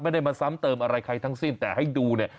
ไม่ได้มาซ้ำเติมอะไรใครทั้งสิ้นแต่ให้ดูเนี่ย